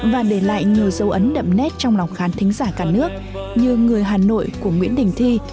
và để lại nhiều dấu ấn đậm nét trong lòng khán thính giả cả nước như người hà nội của nguyễn đình thi